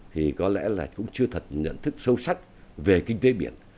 thì có lẽ là cũng chưa thật nhận thức sâu sắc về kinh tế biển